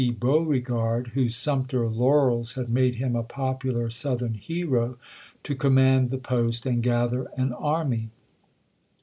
Beauregard, whose Sumter laurels had made him a popular Southern hero, to command the post and gather an army.